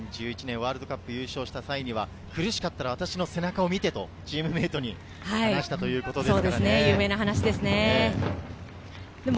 ワールドカップ優勝の際には苦しかったら私の背中を見てと、チームメイトに話したということです。